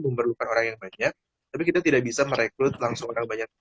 memerlukan orang yang banyak tapi kita tidak bisa merekrut langsung orang banyak